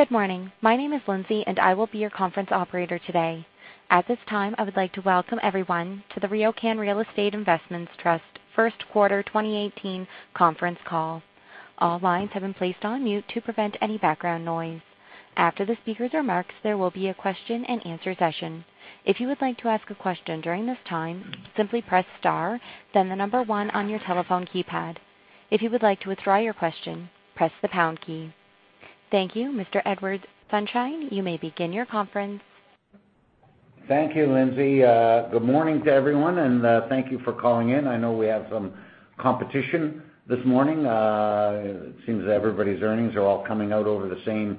Good morning. My name is Lindsay, and I will be your conference operator today. At this time, I would like to welcome everyone to the RioCan Real Estate Investment Trust first quarter 2018 conference call. All lines have been placed on mute to prevent any background noise. After the speaker's remarks, there will be a question and answer session. If you would like to ask a question during this time, simply press star, then the number 1 on your telephone keypad. If you would like to withdraw your question, press the pound key. Thank you. Mr. Edward Sonshine, you may begin your conference. Thank you, Lindsay. Good morning to everyone, and thank you for calling in. I know we have some competition this morning. It seems that everybody's earnings are all coming out over the same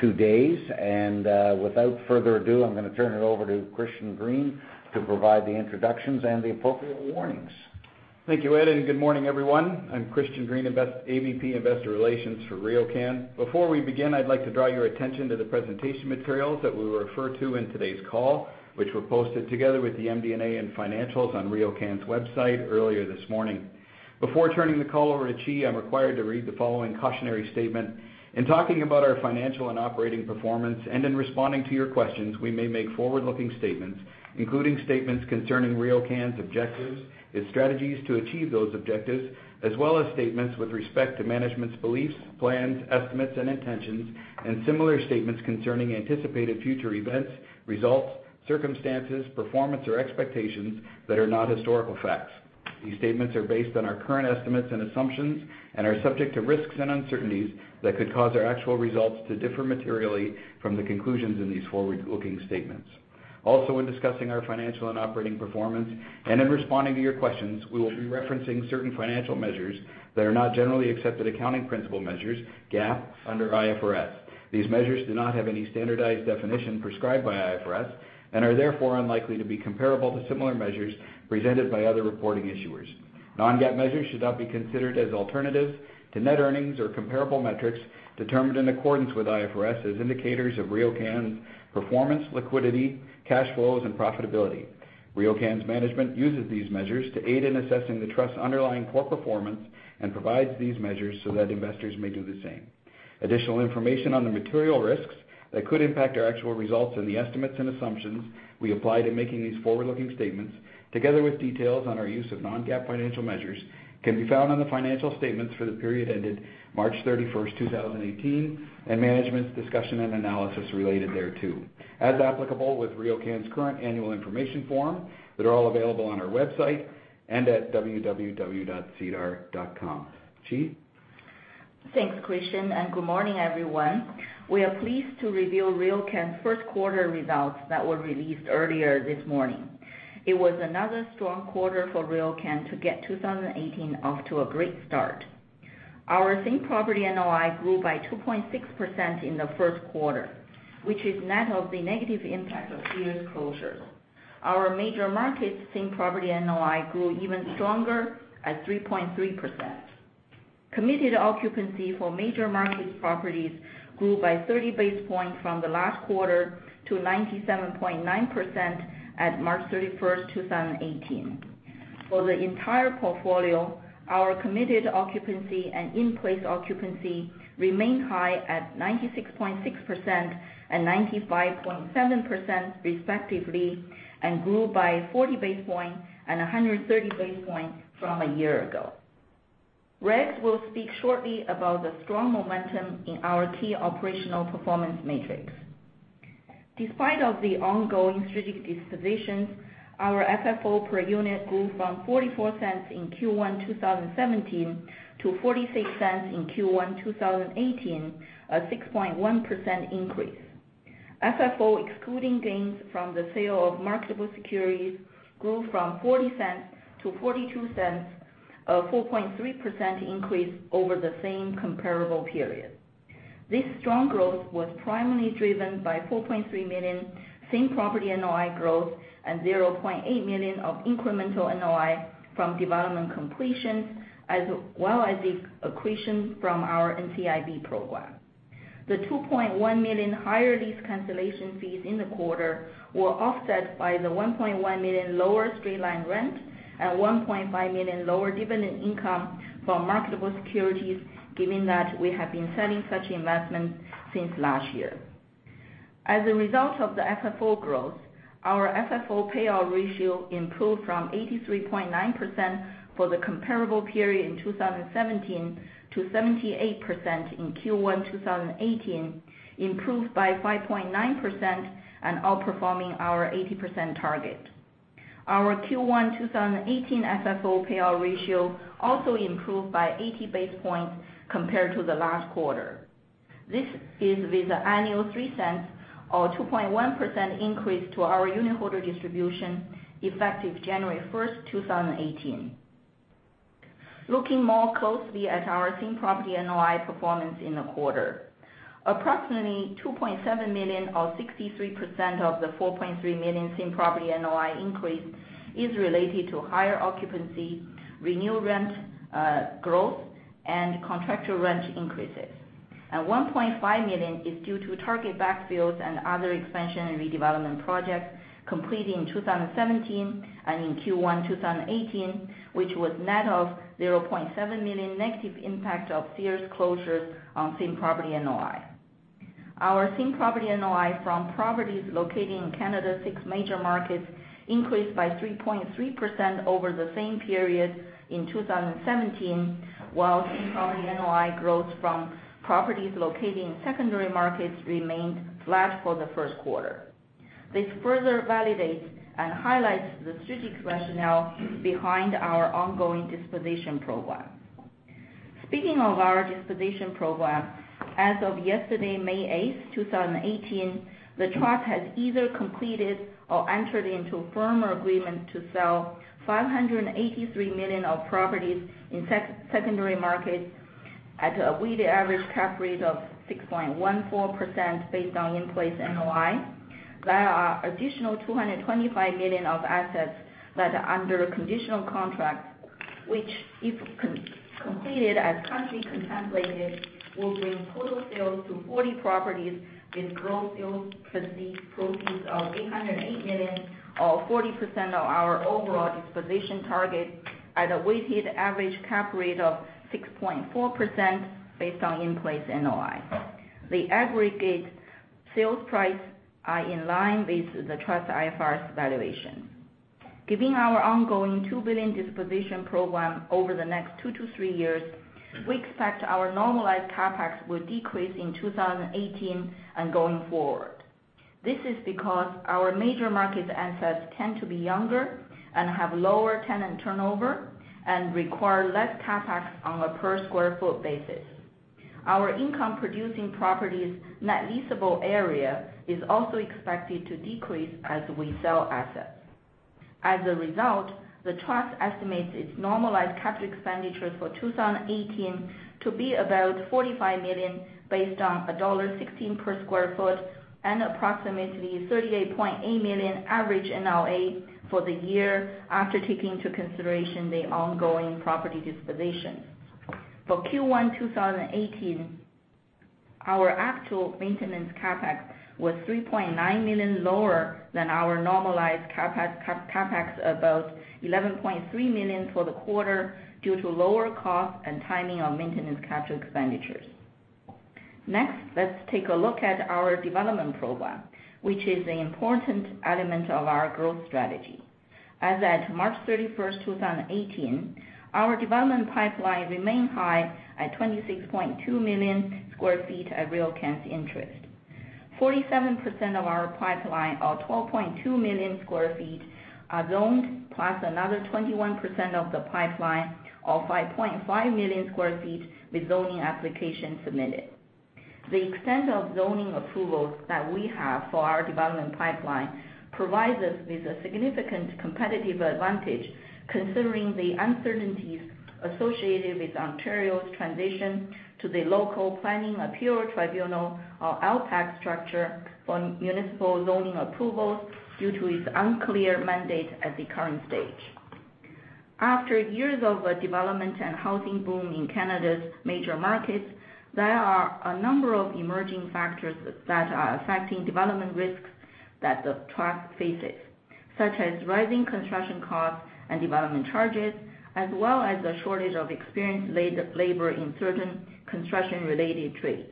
two days. Without further ado, I'm going to turn it over to Christian Green to provide the introductions and the appropriate warnings. Thank you, Ed, and good morning, everyone. I'm Christian Green, AVP Investor Relations for RioCan. Before we begin, I'd like to draw your attention to the presentation materials that we will refer to in today's call, which were posted together with the MD&A and financials on RioCan's website earlier this morning. Before turning the call over to Qi, I'm required to read the following cautionary statement. In talking about our financial and operating performance and in responding to your questions, we may make forward-looking statements, including statements concerning RioCan's objectives, its strategies to achieve those objectives, as well as statements with respect to management's beliefs, plans, estimates, and intentions, and similar statements concerning anticipated future events, results, circumstances, performance, or expectations that are not historical facts. These statements are based on our current estimates and assumptions and are subject to risks and uncertainties that could cause our actual results to differ materially from the conclusions in these forward-looking statements. Also, in discussing our financial and operating performance and in responding to your questions, we will be referencing certain financial measures that are not generally accepted accounting principle measures, GAAP, under IFRS. These measures do not have any standardized definition prescribed by IFRS and are therefore unlikely to be comparable to similar measures presented by other reporting issuers. Non-GAAP measures should not be considered as alternatives to net earnings or comparable metrics determined in accordance with IFRS as indicators of RioCan's performance, liquidity, cash flows, and profitability. RioCan's management uses these measures to aid in assessing the trust's underlying core performance and provides these measures so that investors may do the same. Additional information on the material risks that could impact our actual results and the estimates and assumptions we apply to making these forward-looking statements, together with details on our use of non-GAAP financial measures, can be found on the financial statements for the period ended March 31st, 2018, and management's discussion and analysis related thereto, as applicable with RioCan's current annual information form that are all available on our website and at www.sedar.com. Qi. Thanks, Christian, good morning, everyone. We are pleased to reveal RioCan's first quarter results that were released earlier this morning. It was another strong quarter for RioCan to get 2018 off to a great start. Our same property NOI grew by 2.6% in the first quarter, which is net of the negative impact of Sears closure. Our major markets same property NOI grew even stronger at 3.3%. Committed occupancy for major markets properties grew by 30 basis points from the last quarter to 97.9% at March 31st, 2018. For the entire portfolio, our committed occupancy and in-place occupancy remained high at 96.6% and 95.7%, respectively, and grew by 40 basis points and 130 basis points from a year ago. Rags will speak shortly about the strong momentum in our key operational performance metrics. Despite of the ongoing strategic dispositions, our FFO per unit grew from 0.44 in Q1 2017 to 0.46 in Q1 2018, a 6.1% increase. FFO, excluding gains from the sale of marketable securities, grew from 0.40 to 0.42, a 4.3% increase over the same comparable period. This strong growth was primarily driven by 4.3 million same property NOI growth and 0.8 million of incremental NOI from development completions, as well as the acquisitions from our NCIB program. The 2.1 million higher lease cancellation fees in the quarter were offset by the 1.1 million lower streamline rent and 1.5 million lower dividend income from marketable securities, given that we have been selling such investments since last year. As a result of the FFO growth, our FFO payout ratio improved from 83.9% for the comparable period in 2017 to 78% in Q1 2018, improved by 5.9% and outperforming our 80% target. Our Q1 2018 FFO payout ratio also improved by 80 basis points compared to the last quarter. This is with the annual 0.03 or 2.1% increase to our unitholder distribution effective January 1st, 2018. Looking more closely at our same property NOI performance in the quarter. Approximately 2.7 million or 63% of the 4.3 million same property NOI increase is related to higher occupancy, renew rent growth, and contractual rent increases. 1.5 million is due to target backfills and other expansion and redevelopment projects completed in 2017 and in Q1 2018, which was net of 0.7 million negative impact of Sears closures on same property NOI. Our same property NOI from properties located in Canada's six major markets increased by 3.3% over the same period in 2017, while same property NOI growth from properties located in secondary markets remained flat for the first quarter. This further validates and highlights the strategic rationale behind our ongoing disposition program. Speaking of our disposition program, as of yesterday, May 8th, 2018, the Trust has either completed or entered into firm agreement to sell 583 million of properties in secondary markets at a weighted average cap rate of 6.14% based on in-place NOI. There are additional 225 million of assets that are under conditional contract, which if completed as currently contemplated, will bring total sales to 40 properties with gross sales proceeds of 808 million, or 40% of our overall disposition target at a weighted average cap rate of 6.4% based on in-place NOI. The aggregate sales price are in line with the Trust IFRS valuation. Giving our ongoing 2 billion disposition program over the next two to three years, we expect our normalized CapEx will decrease in 2018 and going forward. This is because our major market assets tend to be younger and have lower tenant turnover and require less CapEx on a per square foot basis. Our income-producing properties' net leasable area is also expected to decrease as we sell assets. As a result, the Trust estimates its normalized capital expenditures for 2018 to be about 45 million based on dollar 1.16 per square foot and approximately 38.8 million average NOA for the year after taking into consideration the ongoing property disposition. For Q1 2018, our actual maintenance CapEx was 3.9 million lower than our normalized CapEx, about 11.3 million for the quarter due to lower cost and timing of maintenance capital expenditures. Next, let's take a look at our development program, which is an important element of our growth strategy. As at March 31st, 2018, our development pipeline remained high at 26.2 million square feet at RioCan's interest. 47% of our pipeline, or 12.2 million square feet, are zoned, plus another 21% of the pipeline, or 5.5 million square feet with zoning application submitted. The extent of zoning approvals that we have for our development pipeline provides us with a significant competitive advantage considering the uncertainties associated with Ontario's transition to the Local Planning Appeal Tribunal or LPAT structure for municipal zoning approvals due to its unclear mandate at the current stage. After years of a development and housing boom in Canada's major markets, there are a number of emerging factors that are affecting development risks that the Trust faces, such as rising construction costs and development charges, as well as a shortage of experienced labor in certain construction-related trades.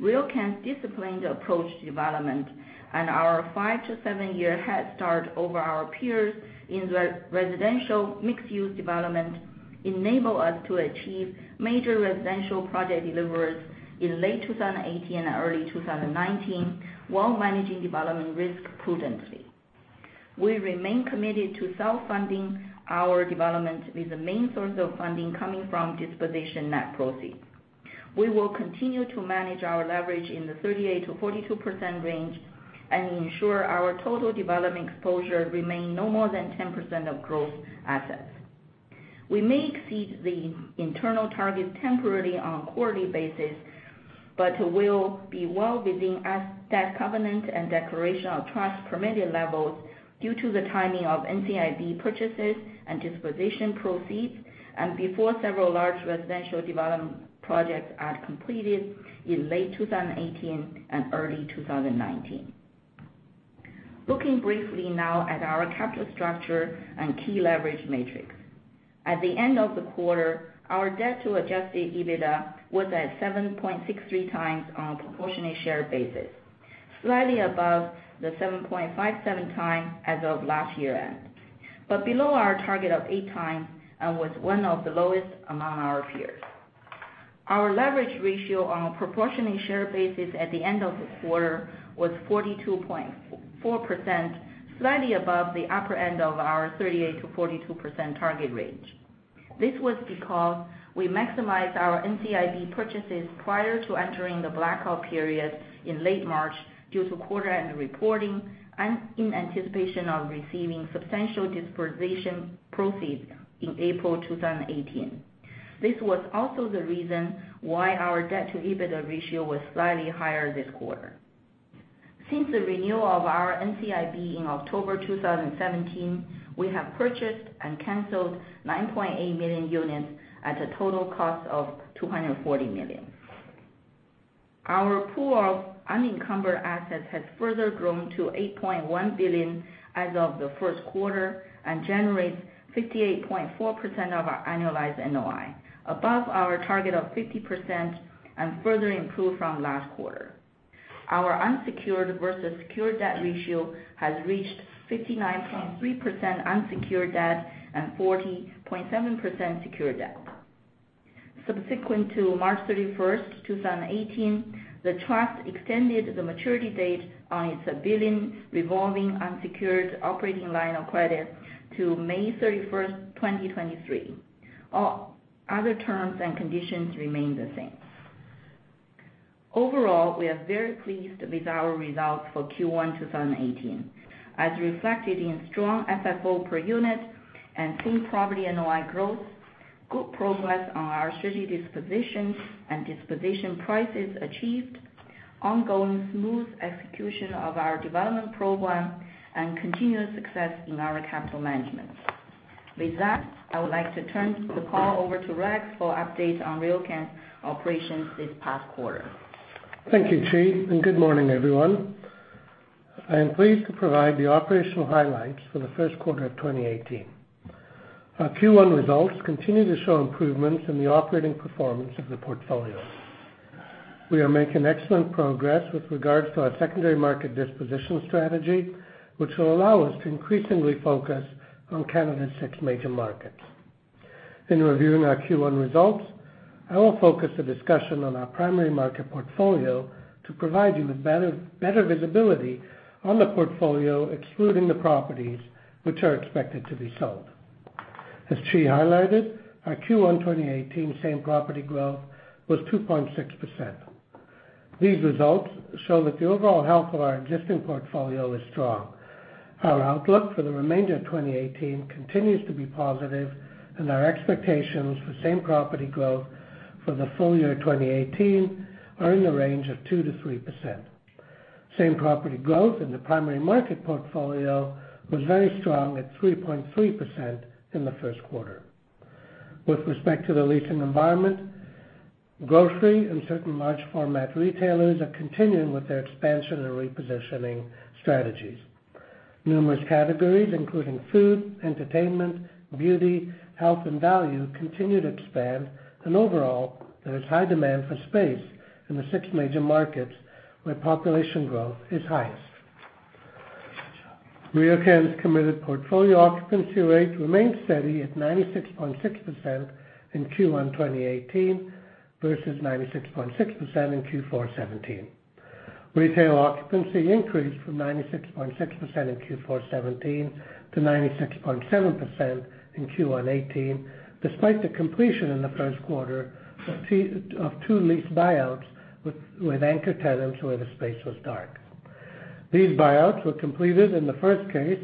RioCan's disciplined approach to development and our five to seven-year head start over our peers in the residential mixed-use development enable us to achieve major residential project deliveries in late 2018 and early 2019 while managing development risk prudently. We remain committed to self-funding our development with the main source of funding coming from disposition net proceeds. We will continue to manage our leverage in the 38%-42% range and ensure our total development exposure remain no more than 10% of gross assets. We may exceed the internal target temporarily on a quarterly basis, but will be well within debt covenant and Declaration of Trust permitted levels due to the timing of NCIB purchases and disposition proceeds and before several large residential development projects are completed in late 2018 and early 2019. Looking briefly now at our capital structure and key leverage matrix. At the end of the quarter, our debt to adjusted EBITDA was at 7.63 times on a proportionally shared basis, slightly above the 7.57 times as of last year-end, but below our target of 8 times and was one of the lowest among our peers. Our leverage ratio on a proportionally shared basis at the end of the quarter was 42.4%, slightly above the upper end of our 38%-42% target range. This was because we maximized our NCIB purchases prior to entering the blackout period in late March due to quarter-end reporting and in anticipation of receiving substantial disposition proceeds in April 2018. This was also the reason why our debt to EBITDA ratio was slightly higher this quarter. Since the renewal of our NCIB in October 2017, we have purchased and canceled 9.8 million units at a total cost of 240 million. Our pool of unencumbered assets has further grown to 8.1 billion as of the first quarter and generates 58.4% of our annualized NOI, above our target of 50% and further improved from last quarter. Our unsecured versus secured debt ratio has reached 59.3% unsecured debt and 40.7% secured debt. Subsequent to March 31st, 2018, the Trust extended the maturity date on its CAD 1 billion revolving unsecured operating line of credit to May 31st, 2023. All other terms and conditions remain the same. Overall, we are very pleased with our results for Q1 2018. As reflected in strong FFO per unit and same property NOI growth, good progress on our strategic disposition and disposition prices achieved, ongoing smooth execution of our development program, and continuous success in our capital management. With that, I would like to turn the call over to Rags for update on RioCan operations this past quarter. Thank you, Qi, and good morning, everyone. I am pleased to provide the operational highlights for the first quarter of 2018. Our Q1 results continue to show improvements in the operating performance of the portfolio. We are making excellent progress with regards to our secondary market disposition strategy, which will allow us to increasingly focus on Canada's six major markets. In reviewing our Q1 results, I will focus the discussion on our primary market portfolio to provide you with better visibility on the portfolio, excluding the properties which are expected to be sold. As Qi highlighted, our Q1 2018 same property growth was 2.6%. These results show that the overall health of our existing portfolio is strong. Our outlook for the remainder of 2018 continues to be positive, and our expectations for same property growth for the full year 2018 are in the range of 2%-3%. Same property growth in the primary market portfolio was very strong at 3.3% in the first quarter. With respect to the leasing environment, grocery and certain large format retailers are continuing with their expansion and repositioning strategies. Numerous categories, including food, entertainment, beauty, health, and value, continue to expand, and overall, there is high demand for space in the 6 major markets where population growth is highest. RioCan's committed portfolio occupancy rate remained steady at 96.6% in Q1 2018 versus 96.6% in Q4 '17. Retail occupancy increased from 96.6% in Q4 '17 to 96.7% in Q1 '18, despite the completion in the first quarter of 2 lease buyouts with anchor tenants where the space was dark. These buyouts were completed in the first case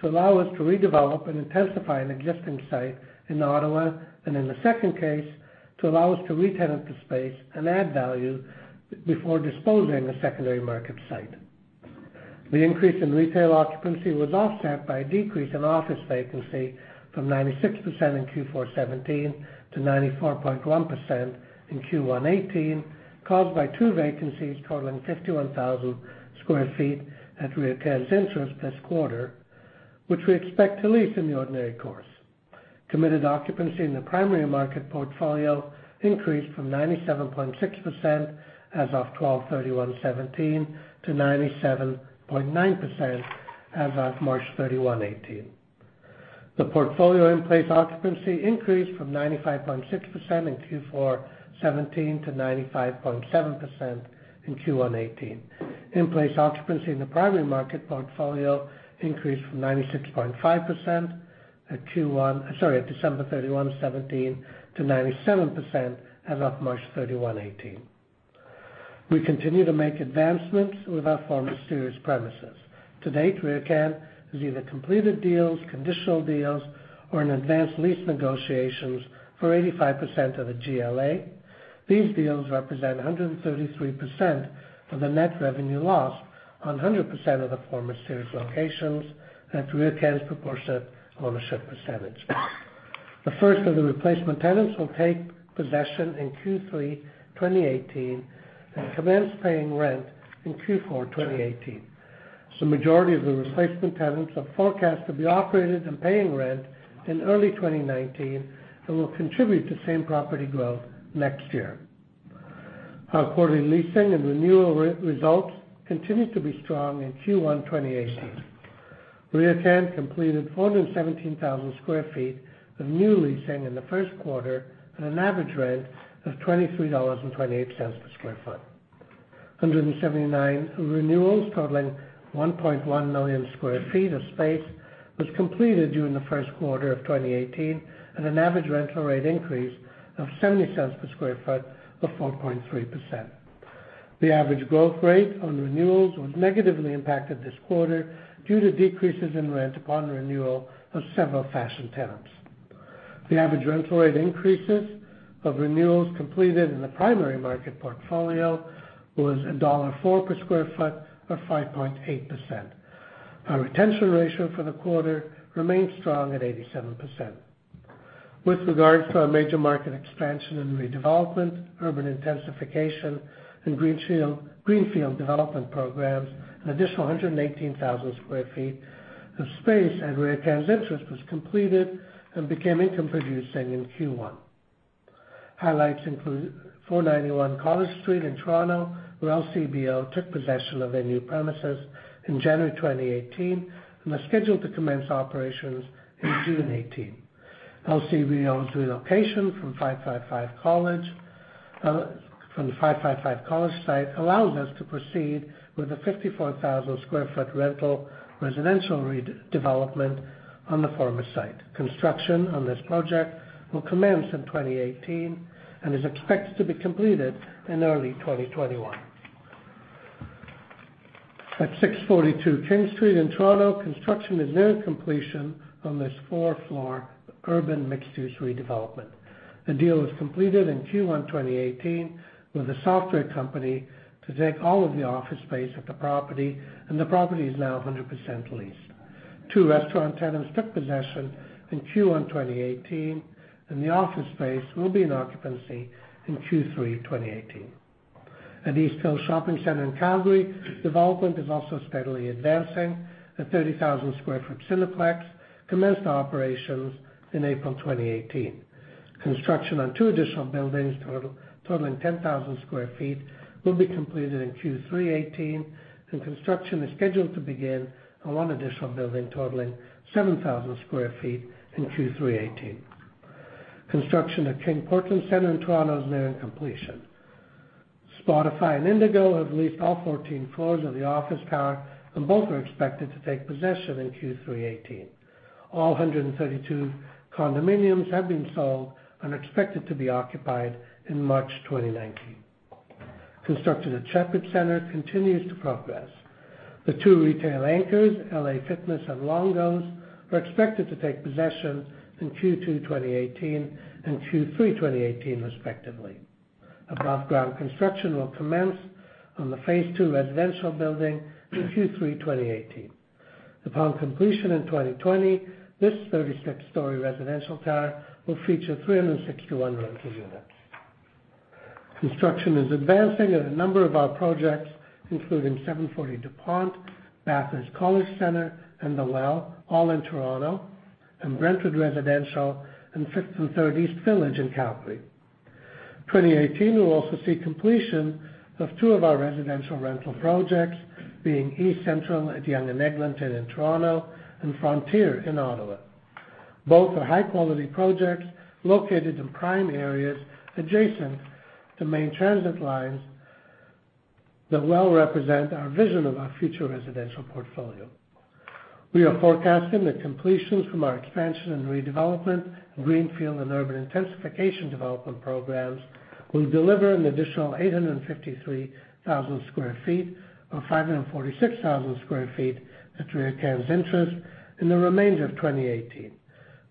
to allow us to redevelop and intensify an existing site in Ottawa, and in the second case, to allow us to re-tenant the space and add value before disposing the secondary market site. The increase in retail occupancy was offset by a decrease in office vacancy from 96% in Q4 '17 to 94.1% in Q1 '18, caused by 2 vacancies totaling 51,000 sq ft at RioCan's interest this quarter, which we expect to lease in the ordinary course. Committed occupancy in the primary market portfolio increased from 97.6% as of 12/31/17 to 97.9% as of March 31, '18. The portfolio in-place occupancy increased from 95.6% in Q4 '17 to 95.7% in Q1 '18. In-place occupancy in the primary market portfolio increased from 96.5% at December 31, '17, to 97% as of March 31, '18. We continue to make advancements with our former Sears premises. To date, RioCan has either completed deals, conditional deals, or in advanced lease negotiations for 85% of the GLA. These deals represent 133% of the net revenue loss on 100% of the former Sears locations at RioCan's proportionate ownership percentage. The first of the replacement tenants will take possession in Q3 2018 and commence paying rent in Q4 2018. The majority of the replacement tenants are forecast to be operated and paying rent in early 2019 and will contribute to same property growth next year. Our quarterly leasing and renewal results continued to be strong in Q1 2018. RioCan completed 417,000 sq ft of new leasing in the first quarter at an average rent of CAD 23.28 per sq ft. 179 renewals totaling 1.1 million sq ft of space was completed during the first quarter of 2018 at an average rental rate increase of 0.70 per sq ft, or 4.3%. The average growth rate on renewals was negatively impacted this quarter due to decreases in rent upon renewal of several fashion tenants. The average rental rate increases of renewals completed in the primary market portfolio was dollar 1.04 per sq ft or 5.8%. Our retention ratio for the quarter remains strong at 87%. With regards to our major market expansion and redevelopment, urban intensification, and greenfield development programs, an additional 118,000 sq ft of space at RioCan's interest was completed and became income-producing in Q1. Highlights include 491 College Street in Toronto, where LCBO took possession of their new premises in January 2018 and are scheduled to commence operations in June '18. LCBO's relocation from the 555 College site allows us to proceed with the 54,000 square foot rental residential redevelopment on the former site. Construction on this project will commence in 2018 and is expected to be completed in early 2021. At 642 King Street in Toronto, construction is nearing completion on this four-floor urban mixed-use redevelopment. The deal was completed in Q1 2018, with a software company to take all of the office space at the property, and the property is now 100% leased. Two restaurant tenants took possession in Q1 2018, and the office space will be in occupancy in Q3 2018. At East Hills Shopping Centre in Calgary, development is also steadily advancing. A 30,000 square foot Cineplex commenced operations in April 2018. Construction on two additional buildings totaling 10,000 square feet will be completed in Q3 '18. Construction is scheduled to begin on one additional building totaling 7,000 square feet in Q3 '18. Construction at King Portland Centre in Toronto is nearing completion. Spotify and Indigo have leased all 14 floors of the office tower, and both are expected to take possession in Q3 '18. All 132 condominiums have been sold and are expected to be occupied in March 2019. Construction at Sheppard Centre continues to progress. The two retail anchors, LA Fitness and Longo's, are expected to take possession in Q2 2018 and Q3 2018 respectively. Above-ground construction will commence on the phase two residential building in Q3 2018. Upon completion in 2020, this 36-story residential tower will feature 361 rental units. Construction is advancing at a number of our projects, including 740 Dupont, Bathurst College Centre, and The Well, all in Toronto, and Brentwood Residential and 5th & Third East Village in Calgary. 2018 will also see completion of two of our residential rental projects, being eCentral at Yonge and Eglinton in Toronto and Frontier in Ottawa. Both are high-quality projects located in prime areas adjacent to main transit lines that well represent our vision of our future residential portfolio. We are forecasting that completions from our expansion and redevelopment, greenfield, and urban intensification development programs will deliver an additional 853,000 square feet, or 546,000 square feet at RioCan's interest in the remainder of 2018.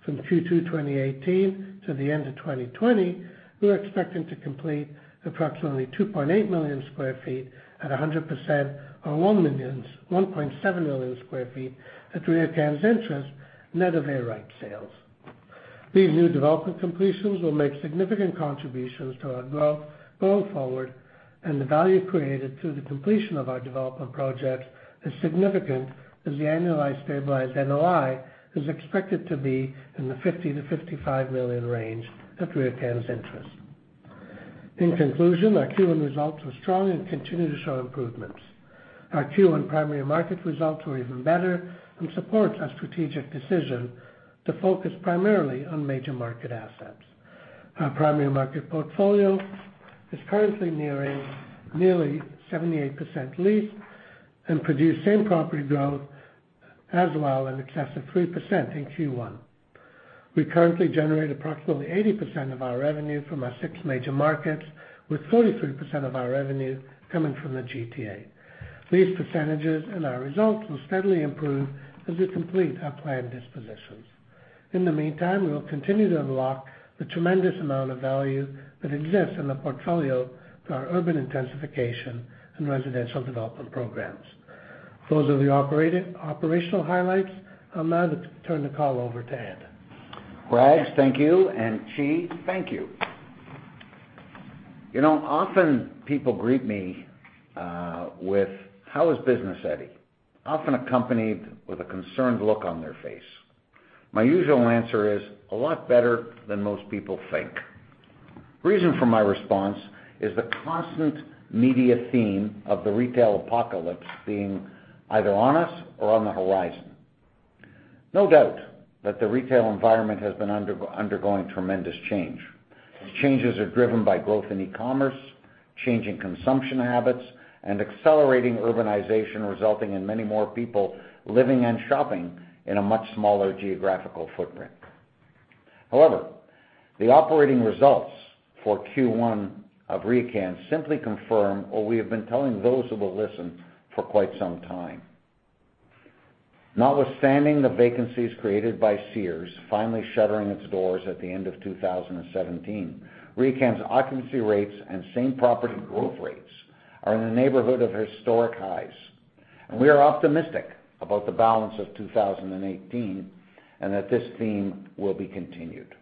From Q2 2018 to the end of 2020, we're expecting to complete approximately 2.8 million square feet at 100%, or 1.7 million square feet at RioCan's interest, net of air right sales. These new development completions will make significant contributions to our growth going forward. The value created through the completion of our development projects is significant, as the annualized stabilized NOI is expected to be in the 50 million-55 million range at RioCan's interest. In conclusion, our Q1 results were strong and continue to show improvements. Our Q1 primary market results were even better and support our strategic decision to focus primarily on major market assets. Our primary market portfolio is currently nearly 78% leased and produced same property growth as well in excess of 3% in Q1. We currently generate approximately 80% of our revenue from our six major markets, with 43% of our revenue coming from the GTA. These percentages and our results will steadily improve as we complete our planned dispositions. In the meantime, we will continue to unlock the tremendous amount of value that exists in the portfolio through our urban intensification and residential development programs. Those are the operational highlights. I'll now turn the call over to Ed. Rags, thank you, and Qi, thank you. Often, people greet me with, "How is business, Eddie?" Often accompanied with a concerned look on their face. My usual answer is, "A lot better than most people think." Reason for my response is the constant media theme of the retail apocalypse being either on us or on the horizon. No doubt that the retail environment has been undergoing tremendous change. These changes are driven by growth in e-commerce, changing consumption habits, and accelerating urbanization, resulting in many more people living and shopping in a much smaller geographical footprint. However, the operating results for Q1 of RioCan simply confirm what we have been telling those who will listen for quite some time. Notwithstanding the vacancies created by Sears finally shuttering its doors at the end of 2017, RioCan's occupancy rates and same-property growth rates are in the neighborhood of historic highs. We are optimistic about the balance of 2018, and that this theme will be continued.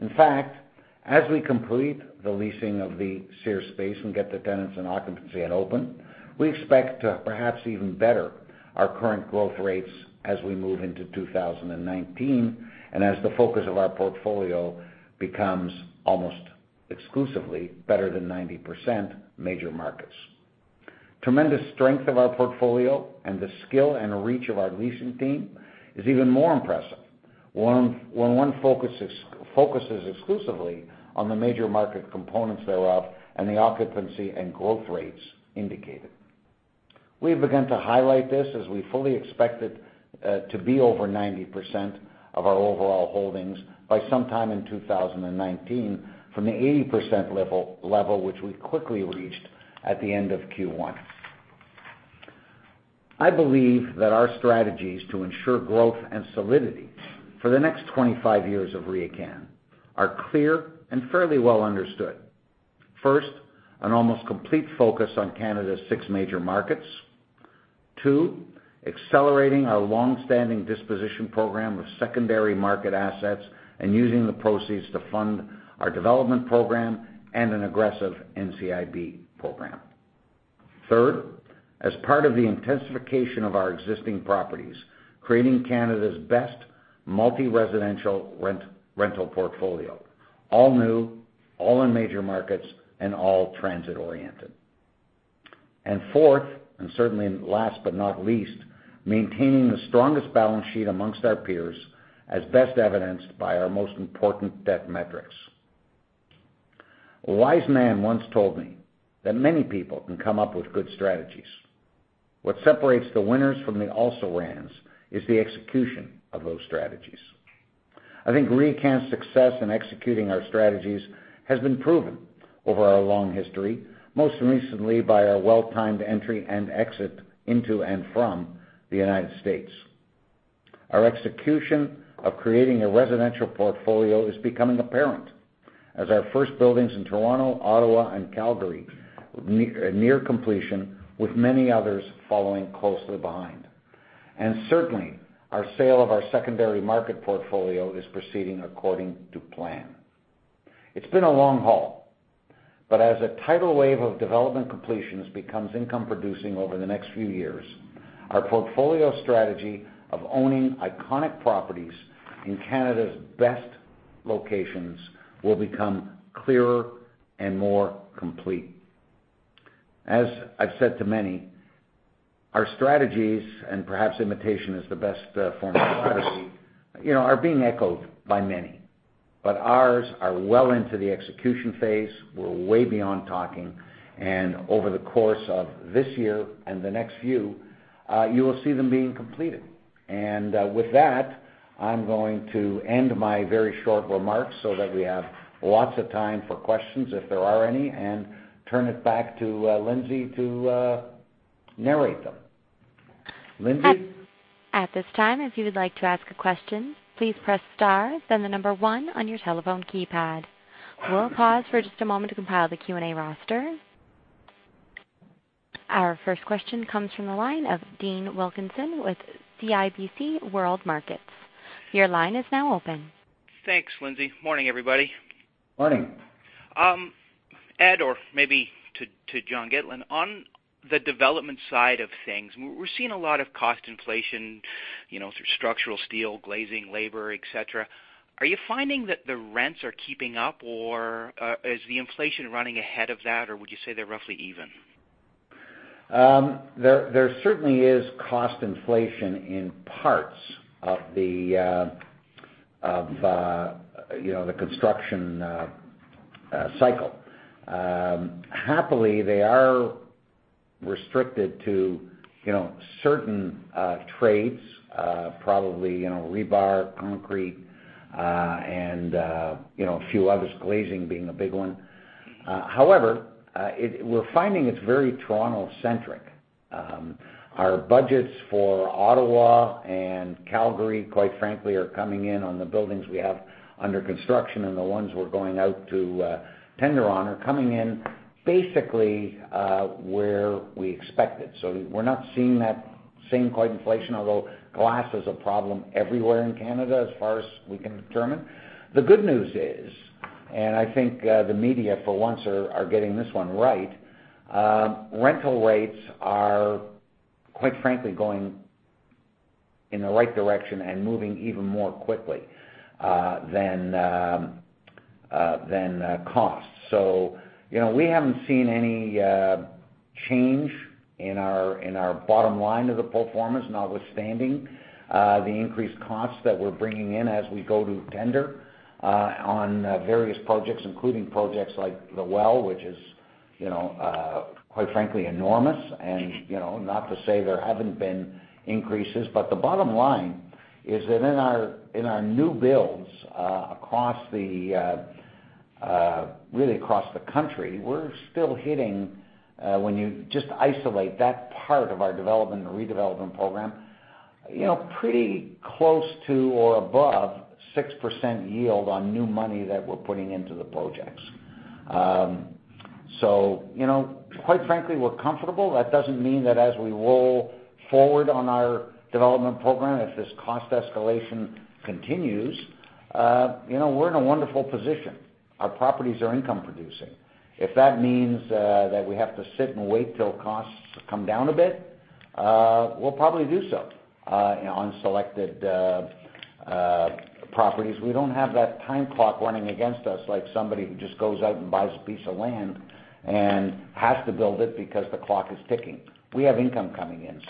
In fact, as we complete the leasing of the Sears space and get the tenants and occupancy at open, we expect to perhaps even better our current growth rates as we move into 2019, as the focus of our portfolio becomes almost exclusively, better than 90%, major markets. Tremendous strength of our portfolio and the skill and reach of our leasing team is even more impressive when one focuses exclusively on the major market components thereof and the occupancy and growth rates indicated. We have begun to highlight this as we fully expect it to be over 90% of our overall holdings by sometime in 2019 from the 80% level, which we quickly reached at the end of Q1. I believe that our strategies to ensure growth and solidity for the next 25 years of RioCan are clear and fairly well understood. First, an almost complete focus on Canada's six major markets. Two, accelerating our longstanding disposition program with secondary market assets and using the proceeds to fund our development program and an aggressive NCIB program. Third, as part of the intensification of our existing properties, creating Canada's best multi-residential rental portfolio. All new, all in major markets, and all transit-oriented. Fourth, and certainly last but not least, maintaining the strongest balance sheet amongst our peers, as best evidenced by our most important debt metrics. A wise man once told me that many people can come up with good strategies. What separates the winners from the also-rans is the execution of those strategies. I think RioCan's success in executing our strategies has been proven over our long history, most recently by our well-timed entry and exit into and from the United States. Our execution of creating a residential portfolio is becoming apparent as our first buildings in Toronto, Ottawa, and Calgary near completion, with many others following closely behind. Certainly, our sale of our secondary market portfolio is proceeding according to plan. It's been a long haul. As a tidal wave of development completions becomes income producing over the next few years, our portfolio strategy of owning iconic properties in Canada's best locations will become clearer and more complete. As I've said to many, our strategies, and perhaps imitation is the best form of flattery, are being echoed by many. Ours are well into the execution phase. We're way beyond talking, over the course of this year and the next few, you will see them being completed. With that, I'm going to end my very short remarks so that we have lots of time for questions, if there are any, and turn it back to Lindsay to narrate them. Lindsay? At this time, if you would like to ask a question, please press star, then the number 1 on your telephone keypad. We'll pause for just a moment to compile the Q&A roster. Our first question comes from the line of Dean Wilkinson with CIBC World Markets. Your line is now open. Thanks, Lindsay. Morning, everybody. Morning. Ed, or maybe to John Gitlin, on the development side of things, we're seeing a lot of cost inflation through structural steel, glazing, labor, et cetera. Are you finding that the rents are keeping up, or is the inflation running ahead of that, or would you say they're roughly even? There certainly is cost inflation in parts of the construction cycle. Happily, they are restricted to certain trades, probably rebar, concrete, and a few others, glazing being a big one. However, we're finding it's very Toronto-centric. Our budgets for Ottawa and Calgary, quite frankly, are coming in on the buildings we have under construction and the ones we're going out to tender on, are coming in basically where we expected. We're not seeing that same quite inflation, although glass is a problem everywhere in Canada, as far as we can determine. The good news is, I think the media for once are getting this one right, rental rates are, quite frankly, going in the right direction and moving even more quickly than costs. We haven't seen any change in our bottom line of the performance, notwithstanding the increased costs that we're bringing in as we go to tender on various projects, including projects like The Well, which is, quite frankly, enormous. Not to say there haven't been increases. The bottom line is that in our new builds across the country, we're still hitting, when you just isolate that part of our development and redevelopment program, pretty close to or above 6% yield on new money that we're putting into the projects. Quite frankly, we're comfortable. That doesn't mean that as we roll forward on our development program, if this cost escalation continues, we're in a wonderful position. Our properties are income producing. If that means that we have to sit and wait till costs come down a bit, we'll probably do so on selected properties. We don't have that time clock running against us, like somebody who just goes out and buys a piece of land and has to build it because the clock is ticking. We have income coming in.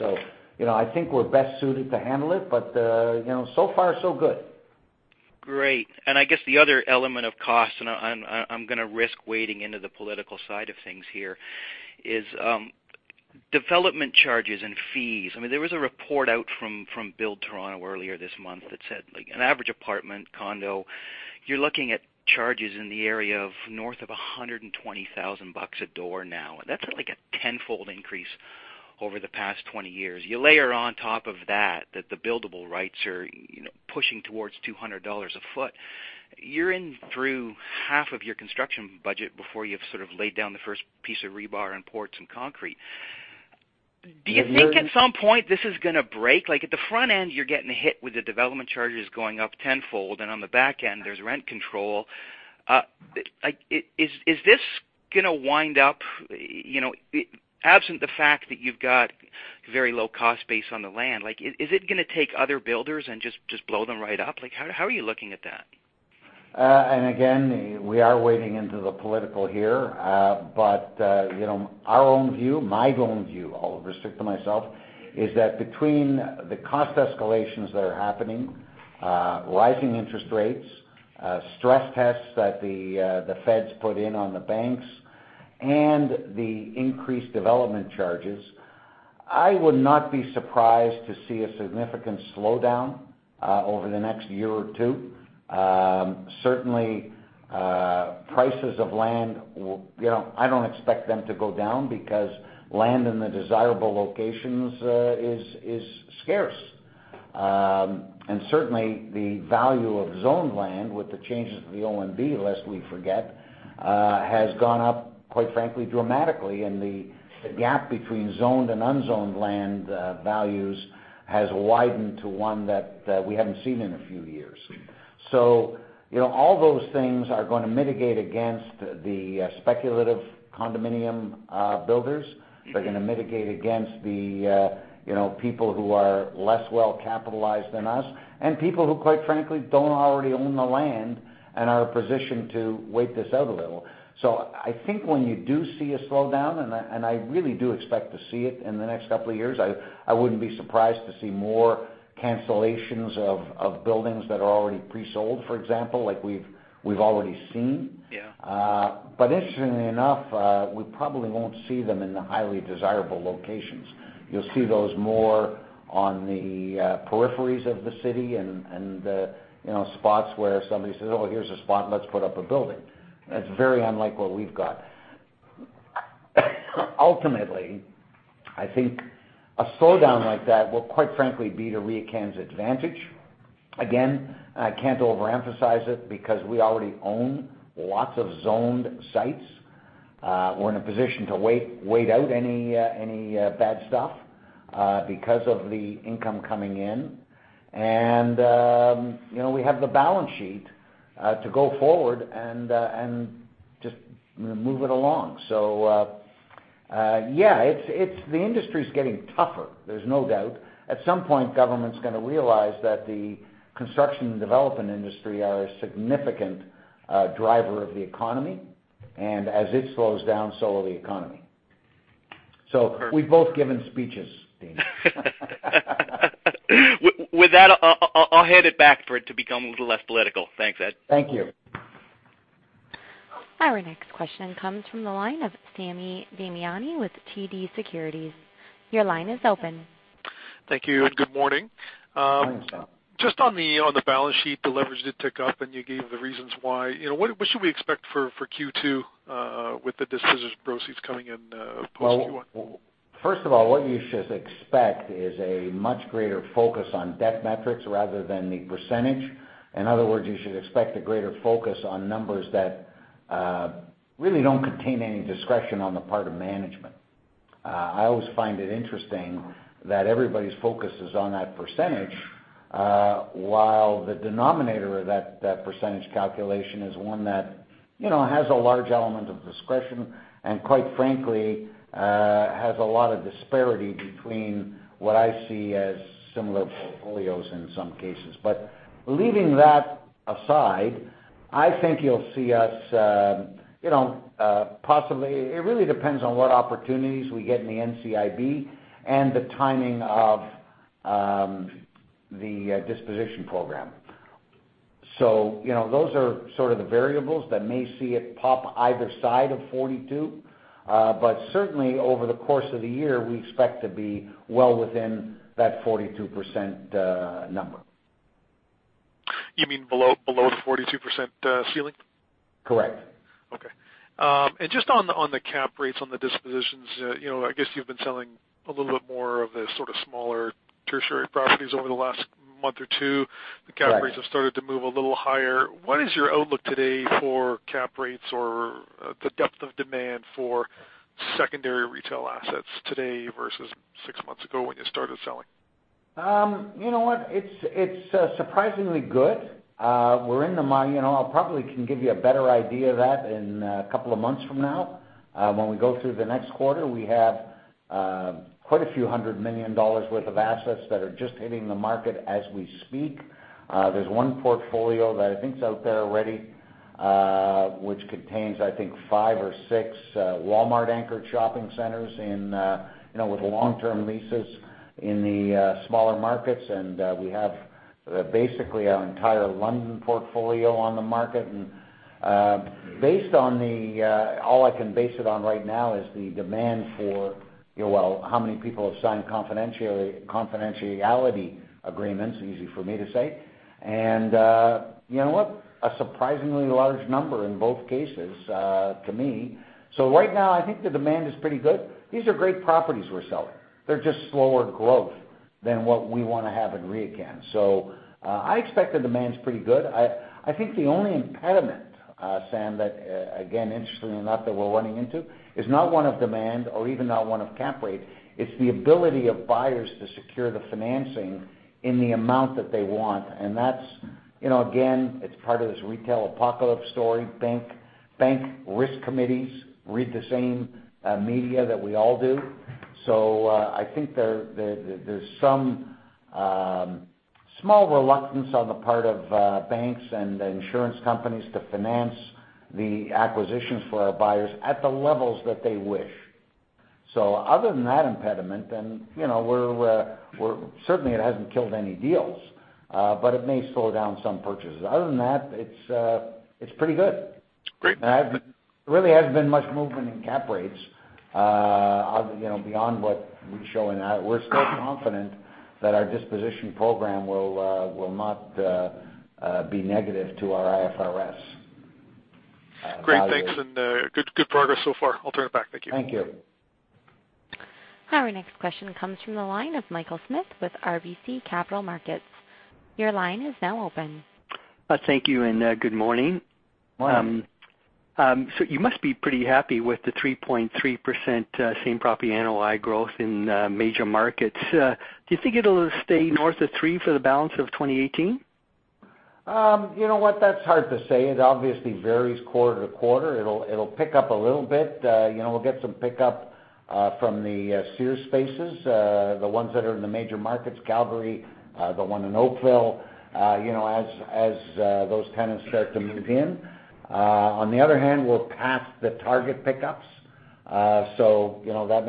I think we're best suited to handle it, but so far so good. Great. I guess the other element of cost, and I'm going to risk wading into the political side of things here, is development charges and fees. There was a report out from Build Toronto earlier this month that said, an average apartment condo, you're looking at charges in the area of north of 120,000 bucks a door now. That's like a tenfold increase over the past 20 years. You layer on top of that the buildable rights are pushing towards 200 dollars a foot. You're in through half of your construction budget before you've sort of laid down the first piece of rebar and poured some concrete. The- Do you think at some point this is going to break? Like at the front end, you're getting hit with the development charges going up tenfold, and on the back end, there's rent control. Is this going to wind up, absent the fact that you've got very low cost base on the land, is it going to take other builders and just blow them right up? How are you looking at that? Again, we are wading into the political here. Our own view, my own view, I'll restrict to myself, is that between the cost escalations that are happening, rising interest rates, stress tests that the feds put in on the banks, and the increased development charges, I would not be surprised to see a significant slowdown over the next year or two. Certainly, prices of land, I don't expect them to go down because land in the desirable locations is scarce. Certainly, the value of zoned land with the changes of the OMB, lest we forget, has gone up, quite frankly, dramatically, and the gap between zoned and unzoned land values has widened to one that we haven't seen in a few years. All those things are going to mitigate against the speculative condominium builders. They're going to mitigate against the people who are less well capitalized than us, and people who, quite frankly, don't already own the land and are positioned to wait this out a little. I think when you do see a slowdown, and I really do expect to see it in the next couple of years, I wouldn't be surprised to see more cancellations of buildings that are already pre-sold, for example, like we've already seen. Yeah. Interestingly enough, we probably won't see them in the highly desirable locations. You'll see those more on the peripheries of the city and spots where somebody says, "Oh, here's a spot, let's put up a building." That's very unlike what we've got. Ultimately, I think a slowdown like that will, quite frankly, be to RioCan's advantage. Again, I can't overemphasize it because we already own lots of zoned sites. We're in a position to wait out any bad stuff because of the income coming in. We have the balance sheet to go forward and just move it along. Yeah, the industry's getting tougher. There's no doubt. At some point, government's going to realize that the construction and development industry are a significant driver of the economy, and as it slows down, so will the economy. Perfect We've both given speeches, Dean. With that, I'll hand it back for it to become a little less political. Thanks, Ed. Thank you. Our next question comes from the line of Sammy Damiani with TD Securities. Your line is open. Thank you. Good morning. Morning, Sam. Just on the balance sheet, the leverage did tick up, and you gave the reasons why. What should we expect for Q2 with the disposition proceeds coming in post Q1? Well, first of all, what you should expect is a much greater focus on debt metrics rather than the percentage. In other words, you should expect a greater focus on numbers that really don't contain any discretion on the part of management. I always find it interesting that everybody's focus is on that percentage, while the denominator of that percentage calculation is one that has a large element of discretion, and quite frankly, has a lot of disparity between what I see as similar portfolios in some cases. Leaving that aside, I think you'll see us possibly. It really depends on what opportunities we get in the NCIB and the timing of the disposition program. Those are sort of the variables that may see it pop either side of 42. But certainly, over the course of the year, we expect to be well within that 42% number. You mean below the 42% ceiling? Correct. Okay. Just on the cap rates on the dispositions, I guess you've been selling a little bit more of the sort of smaller tertiary properties over the last month or two. Right. The cap rates have started to move a little higher. What is your outlook today for cap rates or the depth of demand for secondary retail assets today versus six months ago when you started selling? You know what? It's surprisingly good. I probably can give you a better idea of that in a couple of months from now. When we go through the next quarter, we have quite a few 100 million dollars worth of assets that are just hitting the market as we speak. There's one portfolio that I think is out there already, which contains, I think, five or six Walmart-anchored shopping centers with long-term leases in the smaller markets. We have basically our entire London portfolio on the market. All I can base it on right now is the demand for how many people have signed confidentiality agreements. Easy for me to say. You know what? A surprisingly large number in both cases, to me. Right now, I think the demand is pretty good. These are great properties we're selling. They're just slower growth than what we want to have at RioCan. I expect the demand's pretty good. I think the only impediment, Sam, that again, interestingly enough, that we're running into, is not one of demand or even not one of cap rate, it's the ability of buyers to secure the financing in the amount that they want. That's, again, it's part of this retail apocalypse story. Bank risk committees read the same media that we all do. I think there's some small reluctance on the part of banks and insurance companies to finance the acquisitions for our buyers at the levels that they wish. Other than that impediment then, certainly it hasn't killed any deals, but it may slow down some purchases. Other than that, it's pretty good. Great. There really hasn't been much movement in cap rates beyond what we show in that. We're still confident that our disposition program will not be negative to our IFRS. Great. Thanks. Good progress so far. I'll turn it back. Thank you. Thank you. Our next question comes from the line of Michael Markidis with RBC Capital Markets. Your line is now open. Thank you, good morning. Morning. You must be pretty happy with the 3.3% same property NOI growth in major markets. Do you think it'll stay north of three for the balance of 2018? You know what? That's hard to say. It obviously varies quarter to quarter. It'll pick up a little bit. We'll get some pickup from the Sears spaces, the ones that are in the major markets, Calgary, the one in Oakville, as those tenants start to move in. That may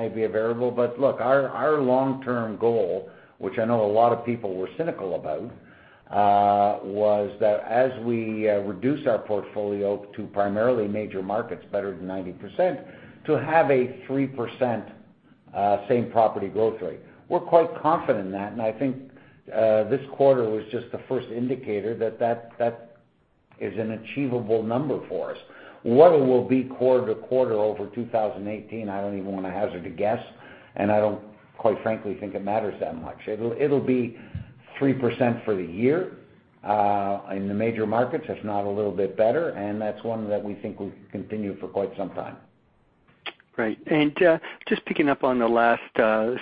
be a variable. Look, our long-term goal, which I know a lot of people were cynical about, was that as we reduce our portfolio to primarily major markets, better than 90%, to have a 3% same property growth rate. We're quite confident in that, and I think this quarter was just the first indicator that that is an achievable number for us. What it will be quarter to quarter over 2018, I don't even want to hazard a guess, and I don't quite frankly think it matters that much. It'll be 3% for the year in the major markets, if not a little bit better. That's one that we think will continue for quite some time. Great. Just picking up on the last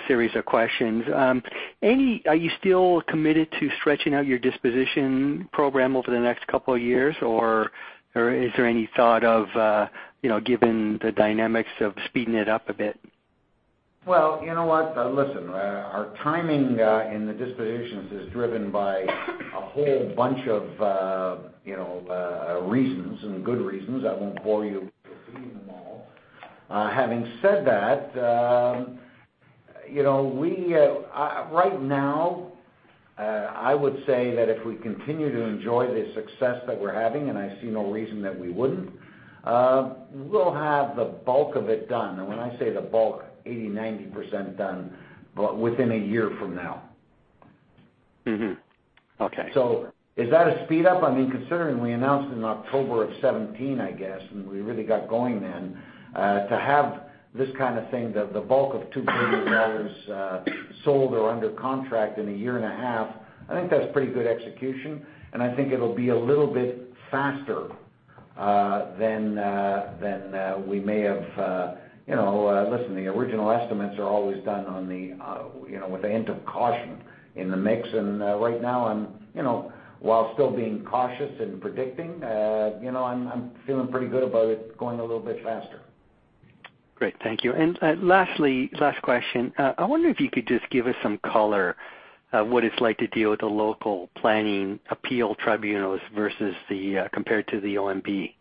series of questions. Are you still committed to stretching out your disposition program over the next couple of years? Is there any thought of giving the dynamics of speeding it up a bit? Well, you know what? Listen, our timing in the dispositions is driven by a whole bunch of reasons, and good reasons. I won't bore you with reading them all. Having said that, right now, I would say that if we continue to enjoy the success that we're having, and I see no reason that we wouldn't, we'll have the bulk of it done. When I say the bulk, 80, 90% done within a year from now. Mm-hmm. Okay. Is that a speed-up? Considering we announced in October of 2017, I guess, we really got going then, to have this kind of thing, the bulk of 2 billion dollars sold or under contract in a year and a half, I think that is pretty good execution. I think it will be a little bit faster than we may have. Listen, the original estimates are always done with a hint of caution in the mix. Right now, while still being cautious in predicting, I am feeling pretty good about it going a little bit faster. Great. Thank you. Lastly, last question. I wonder if you could just give us some color of what it is like to deal with the Local Planning Appeal Tribunal compared to the OMB.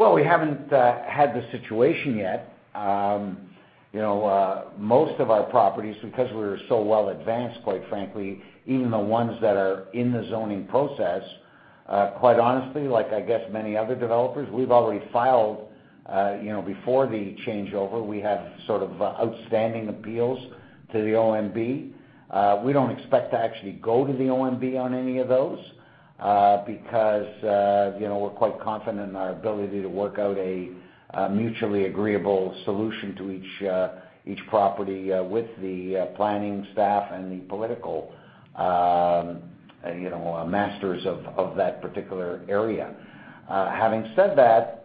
Well, we have not had the situation yet. Most of our properties, because we are so well advanced, quite frankly, even the ones that are in the zoning process. Quite honestly, like I guess many other developers, we have already filed before the changeover. We have sort of outstanding appeals to the OMB. We do not expect to actually go to the OMB on any of those, because we are quite confident in our ability to work out a mutually agreeable solution to each property with the planning staff and the political masters of that particular area. Having said that,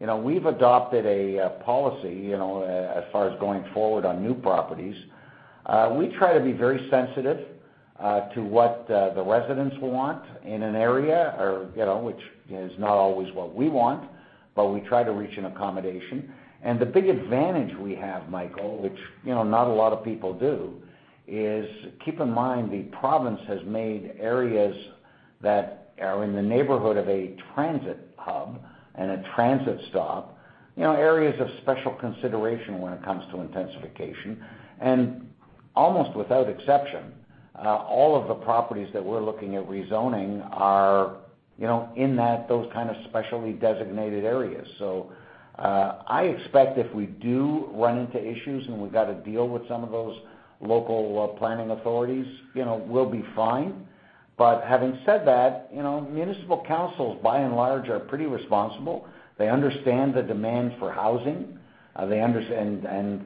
we have adopted a policy as far as going forward on new properties. We try to be very sensitive to what the residents want in an area, which is not always what we want, but we try to reach an accommodation. The big advantage we have, Michael, which not a lot of people do, is keep in mind the province has made areas that are in the neighborhood of a transit hub and a transit stop areas of special consideration when it comes to intensification. Almost without exception, all of the properties that we're looking at rezoning are in those kind of specially designated areas. I expect if we do run into issues, and we've got to deal with some of those local planning authorities, we'll be fine. Having said that, municipal councils by and large are pretty responsible. They understand the demand for housing.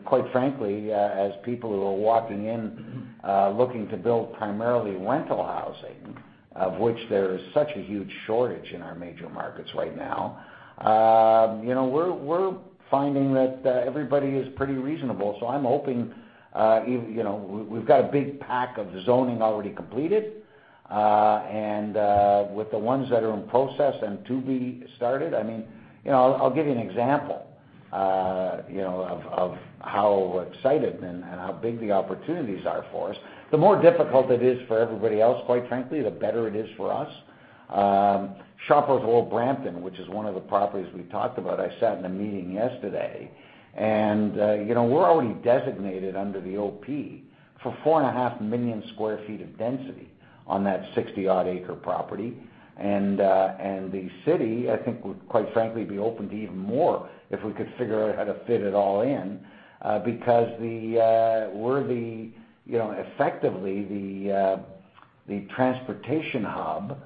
Quite frankly, as people who are walking in looking to build primarily rental housing, of which there is such a huge shortage in our major markets right now, we're finding that everybody is pretty reasonable. We've got a big pack of zoning already completed. With the ones that are in process and to be started, I'll give you an example of how excited and how big the opportunities are for us. The more difficult it is for everybody else, quite frankly, the better it is for us. Shoppers World, Brampton, which is one of the properties we talked about, I sat in a meeting yesterday, and we're already designated under the OP for 4.5 million square feet of density on that 60-odd acre property. The city, I think, would quite frankly be open to even more if we could figure out how to fit it all in. We're effectively the transportation hub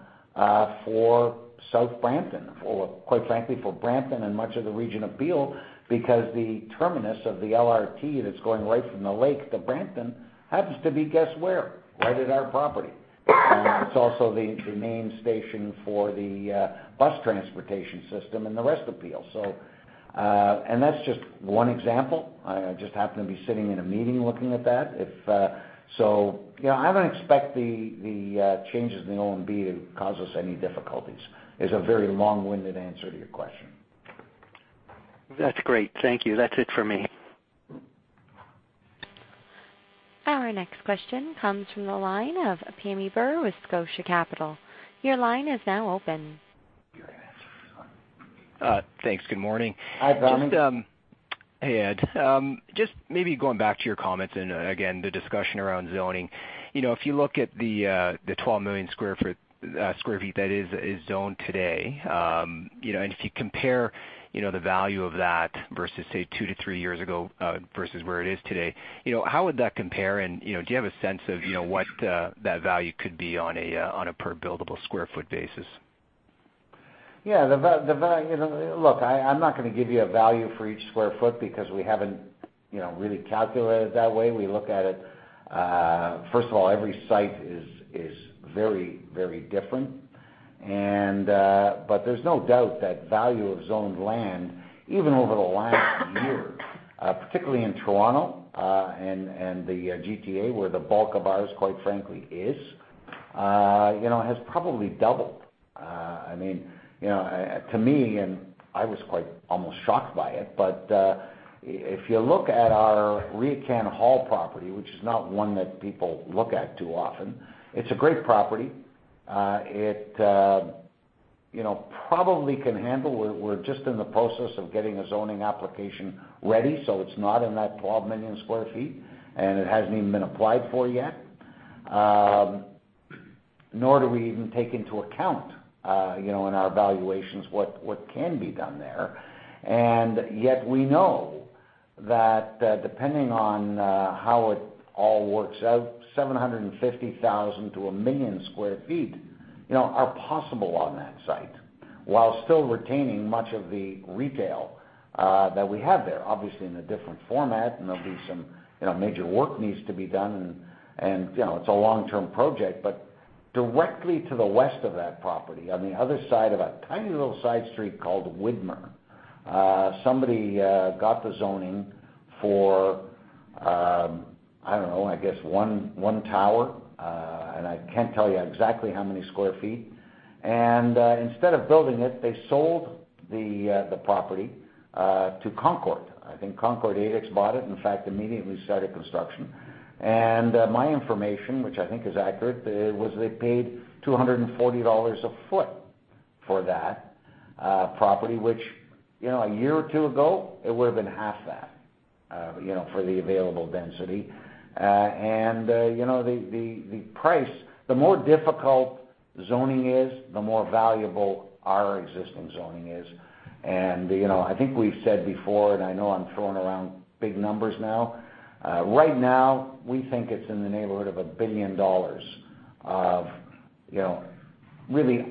for South Brampton, or quite frankly, for Brampton and much of the region of Peel, because the terminus of the LRT that's going right from the lake to Brampton happens to be, guess where? Right at our property. It's also the main station for the bus transportation system and the rest of Peel. That's just one example. I just happened to be sitting in a meeting looking at that. I wouldn't expect the changes in the OMB to cause us any difficulties. It's a very long-winded answer to your question. That's great. Thank you. That's it for me. Our next question comes from the line of Pammi Bir with Scotia Capital. Your line is now open. Thanks. Good morning. Hi, Pammi. Hey, Ed. Just maybe going back to your comments, and again, the discussion around zoning. If you look at the 12 million square feet that is zoned today, and if you compare the value of that versus, say, two to three years ago versus where it is today, how would that compare? Do you have a sense of what that value could be on a per buildable square foot basis? Yeah. Look, I'm not going to give you a value for each square foot because we haven't really calculated it that way. First of all, every site is very different. There's no doubt that value of zoned land, even over the last year, particularly in Toronto and the GTA, where the bulk of ours, quite frankly is, has probably doubled. To me, and I was quite almost shocked by it, but if you look at our RioCan Hall property, which is not one that people look at too often, it's a great property. We're just in the process of getting a zoning application ready, so it's not in that 12 million sq ft, and it hasn't even been applied for yet. Nor do we even take into account in our valuations what can be done there. Yet we know that depending on how it all works out, 750,000-1 million sq ft are possible on that site, while still retaining much of the retail that we have there. Obviously, in a different format, and there'll be some major work needs to be done, and it's a long-term project. Directly to the west of that property, on the other side of a tiny little side street called Widmer, somebody got the zoning for, I don't know, I guess one tower, and I can't tell you exactly how many square feet. Instead of building it, they sold the property to Concord. I think Concord Adex bought it, in fact, immediately started construction. My information, which I think is accurate, was they paid 240 dollars a foot for that property, which a year or two ago, it would've been half that. For the available density. The price, the more difficult zoning is, the more valuable our existing zoning is. I think we've said before, and I know I'm throwing around big numbers now. Right now, we think it's in the neighborhood of CAD 1 billion of really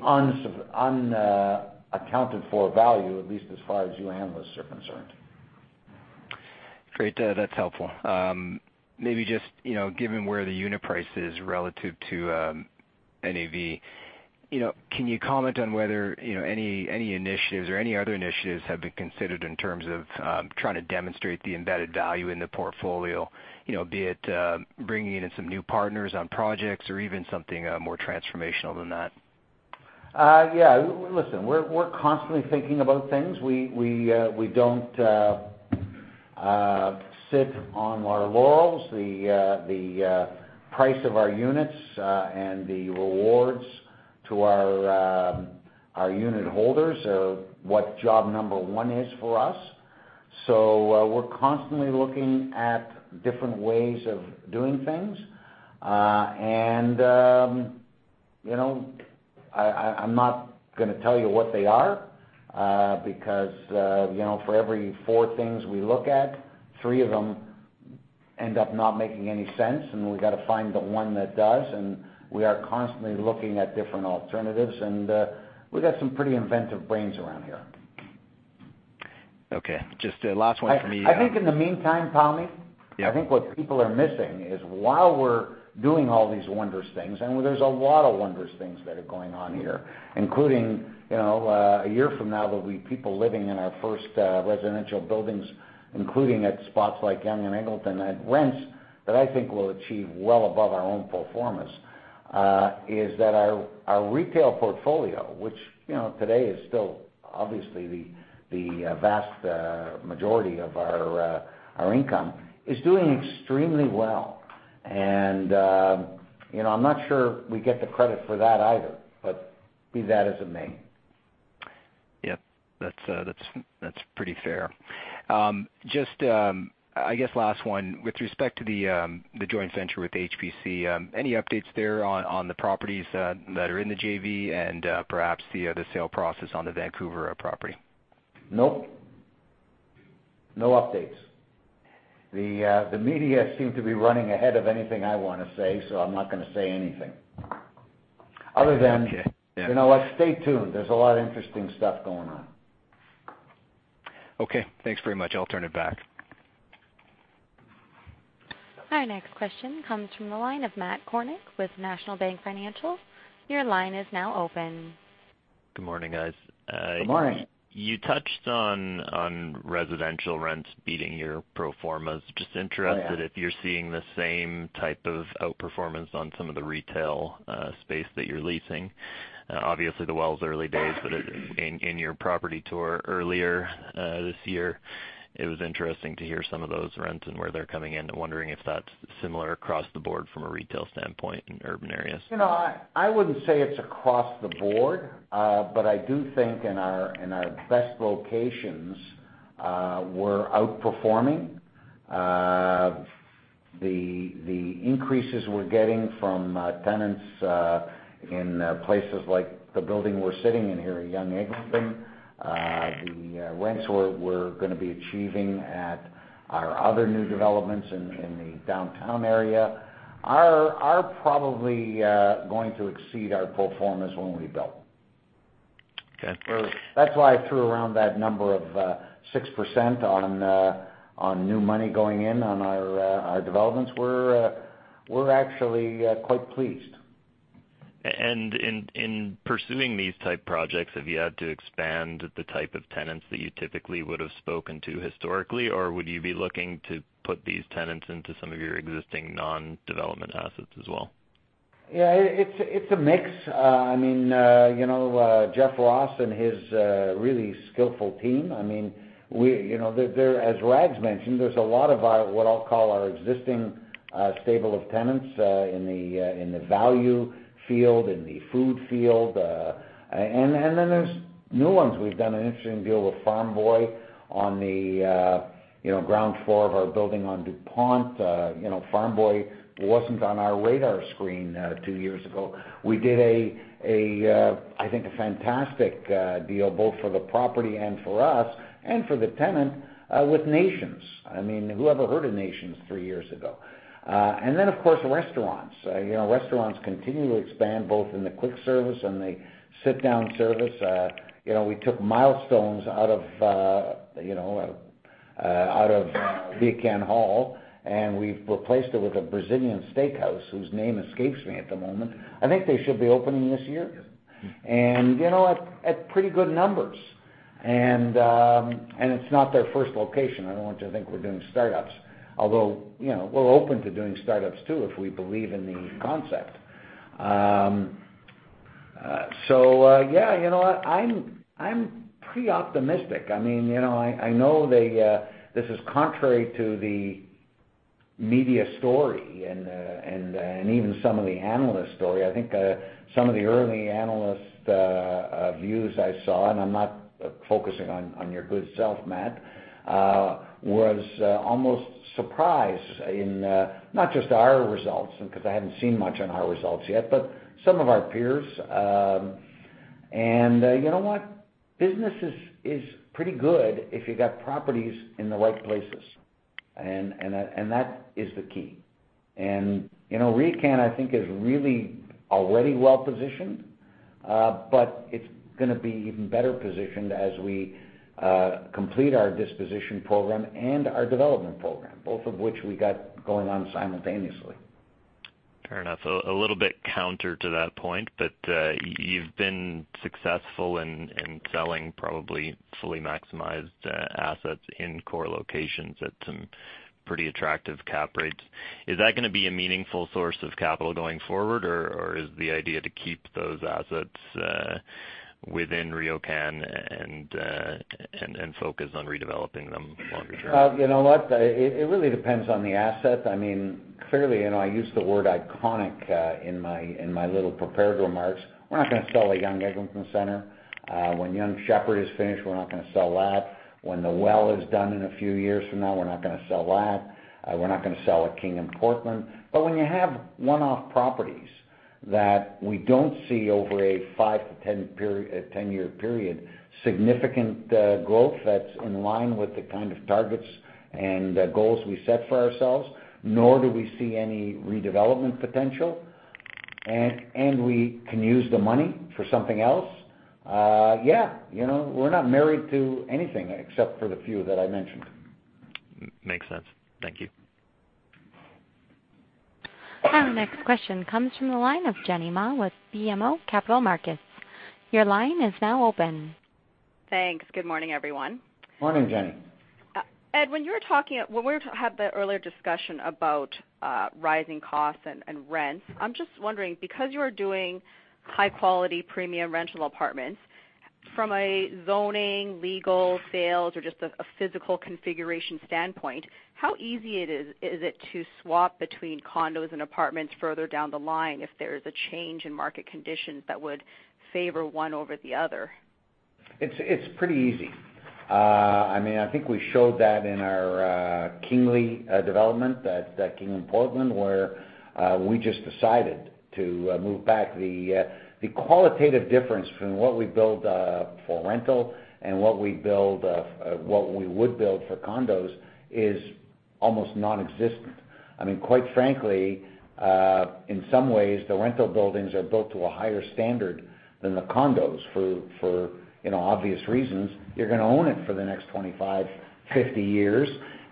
unaccounted-for value, at least as far as you analysts are concerned. Great. That's helpful. Maybe just, given where the unit price is relative to NAV, can you comment on whether any initiatives or any other initiatives have been considered in terms of trying to demonstrate the embedded value in the portfolio, be it bringing in some new partners on projects or even something more transformational than that? Yeah. Listen, we're constantly thinking about things. We don't sit on our laurels. The price of our units, and the rewards to our unit holders are what job number 1 is for us. We're constantly looking at different ways of doing things. I'm not going to tell you what they are, because for every four things we look at, three of them end up not making any sense, we've got to find the one that does, we are constantly looking at different alternatives. We've got some pretty inventive brains around here. Okay. Just last one for me. I think in the meantime, Pammi- Yeah I think what people are missing is while we're doing all these wondrous things, there's a lot of wondrous things that are going on here, including, a year from now, there'll be people living in our first residential buildings, including at spots like Yonge and Eglinton at rents that I think will achieve well above our own pro formas, is that our retail portfolio, which today is still obviously the vast majority of our income, is doing extremely well. I'm not sure we get the credit for that either, but be that as it may. Yep. That's pretty fair. Just, I guess last one. With respect to the joint venture with HBC, any updates there on the properties that are in the JV and perhaps the other sale process on the Vancouver property? Nope. No updates. The media seem to be running ahead of anything I want to say. I'm not going to say anything. Okay. Yeah You know what? Stay tuned. There's a lot of interesting stuff going on. Okay, thanks very much. I'll turn it back. Our next question comes from the line of Matt Kornack with National Bank Financial. Your line is now open. Good morning, guys. Good morning. You touched on residential rents beating your pro formas. Oh, yeah if you're seeing the same type of outperformance on some of the retail space that you're leasing. Obviously, well, it's early days, but in your property tour earlier this year, it was interesting to hear some of those rents and where they're coming in. I'm wondering if that's similar across the board from a retail standpoint in urban areas. I wouldn't say it's across the board. I do think in our best locations, we're outperforming. The increases we're getting from tenants in places like the building we're sitting in here at Yonge and Eglinton. The rents we're going to be achieving at our other new developments in the downtown area are probably going to exceed our pro formas when we built. Okay. That's why I threw around that number of 6% on new money going in on our developments. We're actually quite pleased. In pursuing these type projects, have you had to expand the type of tenants that you typically would've spoken to historically, or would you be looking to put these tenants into some of your existing non-development assets as well? Yeah, it's a mix. Jeff Ross and his really skillful team. As Rags mentioned, there's a lot of our, what I'll call our existing stable of tenants in the value field, in the food field. Then there's new ones. We've done an interesting deal with Farm Boy on the ground floor of our building on Dupont. Farm Boy wasn't on our radar screen two years ago. We did, I think, a fantastic deal, both for the property and for us, and for the tenant, with Nations. Whoever heard of Nations three years ago? Then, of course, restaurants. Restaurants continue to expand both in the quick service and the sit-down service. We took Milestones out of Beacon Hall, and we've replaced it with a Brazilian steakhouse whose name escapes me at the moment. I think they should be opening this year. Yes. At pretty good numbers. It's not their first location. I don't want you to think we're doing startups. Although, we're open to doing startups, too, if we believe in the concept. So yeah, I'm pretty optimistic. I know this is contrary to the Media story and even some of the analyst story. I think some of the early analyst views I saw, and I'm not focusing on your good self, Matt, was almost surprised in not just our results, because I hadn't seen much on our results yet, but some of our peers. You know what? Business is pretty good if you've got properties in the right places, and that is the key. RioCan, I think, is really already well-positioned. It's going to be even better positioned as we complete our disposition program and our development program, both of which we got going on simultaneously. Fair enough. A little bit counter to that point, you've been successful in selling probably fully maximized assets in core locations at some pretty attractive cap rates. Is that going to be a meaningful source of capital going forward, or is the idea to keep those assets within RioCan and focus on redeveloping them longer term? You know what? It really depends on the asset. Clearly, I used the word iconic in my little prepared remarks. We're not going to sell a Yonge-Eglinton Centre. When Yonge Sheppard is finished, we're not going to sell that. When The Well is done in a few years from now, we're not going to sell that. We're not going to sell a King & Portland. When you have one-off properties that we don't see over a five to 10-year period, significant growth that's in line with the kind of targets and goals we set for ourselves, nor do we see any redevelopment potential, and we can use the money for something else, yeah. We're not married to anything except for the few that I mentioned. Makes sense. Thank you. Our next question comes from the line of Jenny Ma with BMO Capital Markets. Your line is now open. Thanks. Good morning, everyone. Morning, Jenny. Ed, when we had the earlier discussion about rising costs and rents. I'm just wondering, because you are doing high-quality, premium rental apartments, from a zoning, legal, sales, or just a physical configuration standpoint, how easy is it to swap between condos and apartments further down the line if there is a change in market conditions that would favor one over the other? It's pretty easy. I think we showed that in our Kingly development, that King & Portland, where we just decided to move back. The qualitative difference from what we build for rental and what we would build for condos is almost nonexistent. Quite frankly, in some ways, the rental buildings are built to a higher standard than the condos for obvious reasons. You're going to own it for the next 25, 50 years,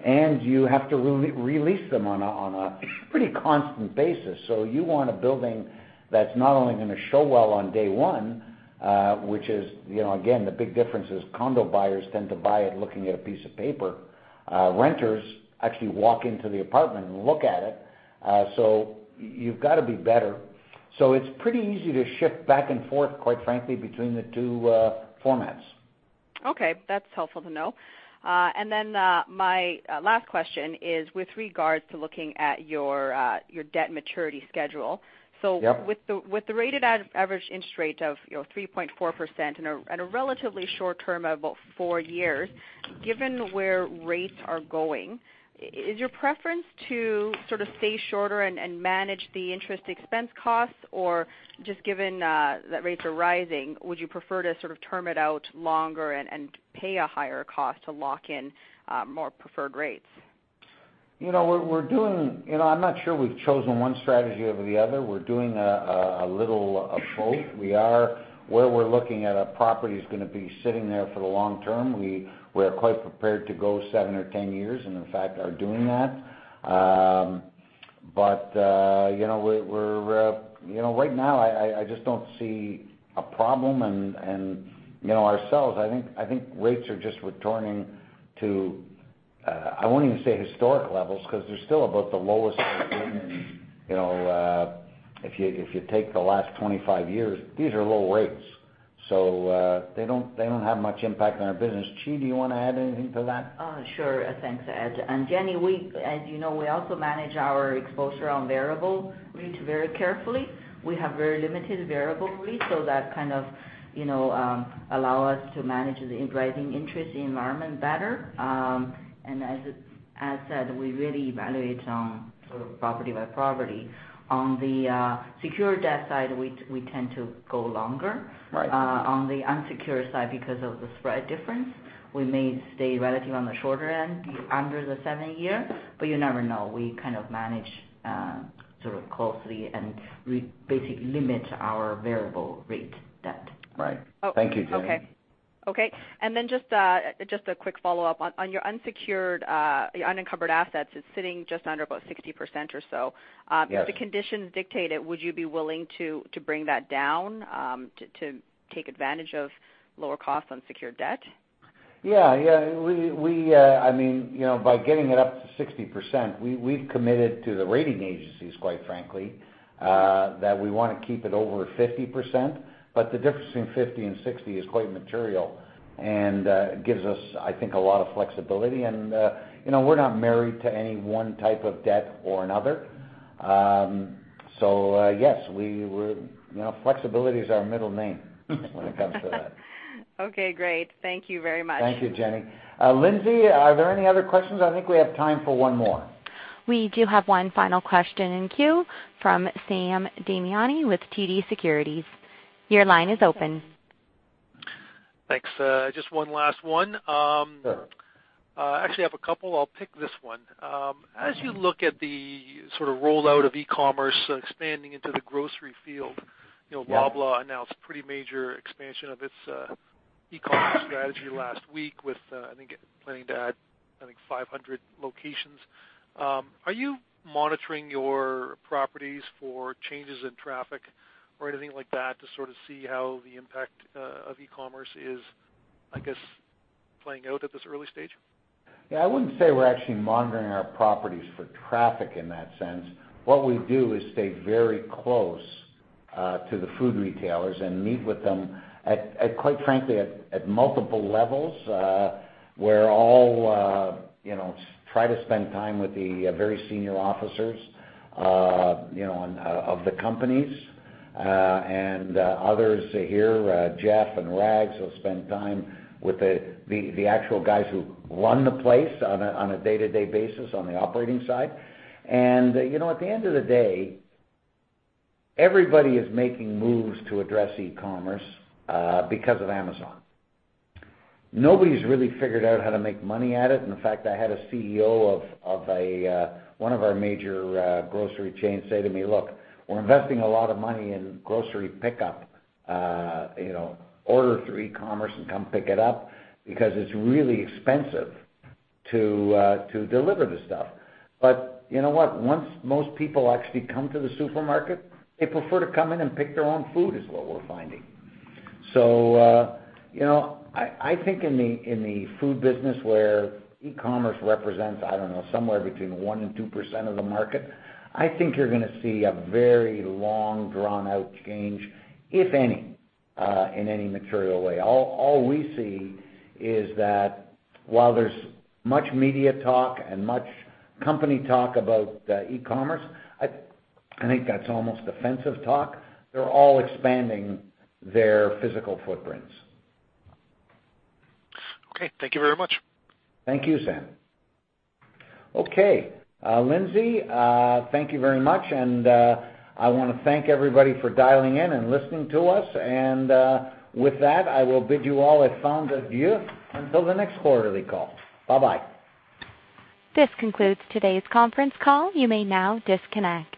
and you have to release them on a pretty constant basis. You want a building that's not only going to show well on day one. Which is, again, the big difference is condo buyers tend to buy it looking at a piece of paper. Renters actually walk into the apartment and look at it. You've got to be better. It's pretty easy to shift back and forth, quite frankly, between the two formats. Okay. That's helpful to know. My last question is with regards to looking at your debt maturity schedule. Yep. With the rated average interest rate of 3.4% and a relatively short term of about four years, given where rates are going, is your preference to sort of stay shorter and manage the interest expense costs? Or just given that rates are rising, would you prefer to sort of term it out longer and pay a higher cost to lock in more preferred rates? I'm not sure we've chosen one strategy over the other. We're doing a little of both. Where we're looking at a property that's going to be sitting there for the long term, we're quite prepared to go seven or 10 years, and in fact, are doing that. Right now, I just don't see a problem. Ourselves, I think rates are just returning to, I won't even say historic levels, because they're still about the lowest they've been in. If you take the last 25 years, these are low rates. They don't have much impact on our business. Qi, do you want to add anything to that? Sure. Thanks, Ed. Jenny, as you know, we also manage our exposure on variable rates very carefully. We have very limited variable rates, that kind of allow us to manage the rising interest environment better. As Ed said, we really evaluate on sort of property by property. On the secured debt side, we tend to go longer. Right. On the unsecured side, because of the spread difference, we may stay relative on the shorter end, under the seven-year. You never know. We kind of manage sort of closely, and we basically limit our variable rate debt. Right. Thank you, Jenny. Okay. Just a quick follow-up. On your unsecured, unencumbered assets, it's sitting just under about 60% or so. Yes. If the conditions dictate it, would you be willing to bring that down to take advantage of lower cost unsecured debt? By getting it up to 60%, we've committed to the rating agencies, quite frankly, that we want to keep it over 50%. The difference between 50% and 60% is quite material and gives us, I think, a lot of flexibility. We're not married to any one type of debt or another. Yes, flexibility is our middle name when it comes to that. Okay, great. Thank you very much. Thank you, Jenny. Lindsay, are there any other questions? I think we have time for one more. We do have one final question in queue from Sam Damiani with TD Securities. Your line is open. Thanks. Just one last one. Sure. Actually, I have a couple. I'll pick this one. As you look at the sort of rollout of e-commerce expanding into the grocery field- Yeah Loblaw announced a pretty major expansion of its e-commerce strategy last week with, I think, planning to add 500 locations. Are you monitoring your properties for changes in traffic or anything like that to sort of see how the impact of e-commerce is, I guess, playing out at this early stage? Yeah, I wouldn't say we're actually monitoring our properties for traffic in that sense. What we do is stay very close to the food retailers and meet with them, quite frankly, at multiple levels. We'll try to spend time with the very senior officers of the companies, and others here, Jeff and Rags, will spend time with the actual guys who run the place on a day-to-day basis on the operating side. At the end of the day, everybody is making moves to address e-commerce because of Amazon. Nobody's really figured out how to make money at it. In fact, I had a CEO of one of our major grocery chains say to me, "Look, we're investing a lot of money in grocery pickup, order through e-commerce and come pick it up, because it's really expensive to deliver the stuff." You know what? Once most people actually come to the supermarket, they prefer to come in and pick their own food, is what we're finding. I think in the food business where e-commerce represents, I don't know, somewhere between 1% and 2% of the market, I think you're going to see a very long, drawn-out change, if any, in any material way. All we see is that while there's much media talk and much company talk about e-commerce, I think that's almost defensive talk. They're all expanding their physical footprints. Okay. Thank you very much. Thank you, Sam. Okay. Lindsay, thank you very much. I want to thank everybody for dialing in and listening to us. With that, I will bid you all a fond adieu until the next quarterly call. Bye-bye. This concludes today's conference call. You may now disconnect.